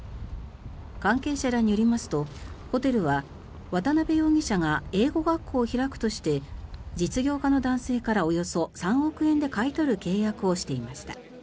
関係者らによりますとホテルは渡邉容疑者が英語学校を開くとして実業家の男性からおよそ３億円で買い取る契約をしていました。